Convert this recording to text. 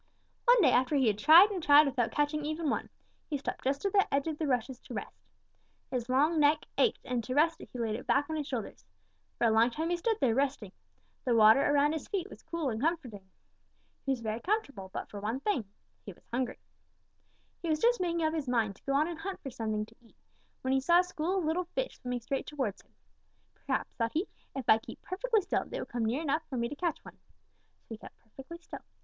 "One day after he had tried and tried without catching even one, he stopped just at the edge of the rushes to rest. His long neck ached, and to rest it he laid it back on his shoulders. For a long time he stood there, resting. The water around his feet was cool and comforting. He was very comfortable but for one thing, he was hungry. He was just making up his mind to go on and hunt for something to eat when he saw a school of little fish swimming straight towards him. 'Perhaps,' thought he, 'if I keep perfectly still, they will come near enough for me to catch one.' So he kept perfectly still.